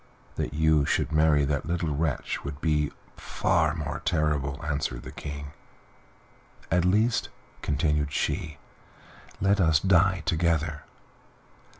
"That you should marry that little wretch would be far more terrible," answered the King. "At least," continued she, "let us die together."